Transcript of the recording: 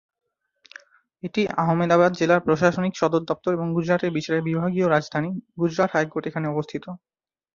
এটি আহমেদাবাদ জেলার প্রশাসনিক সদর দপ্তর এবং গুজরাটের বিচার বিভাগীয় রাজধানী; গুজরাট হাইকোর্ট এখানে অবস্থিত।